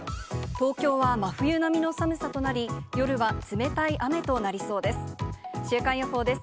東京は真冬並みの寒さとなり、夜は冷たい雨となりそうです。